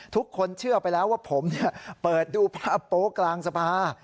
ทุกคนเชื่อไปแล้วว่าผมเปิดดูภาพโป๊กลางสภา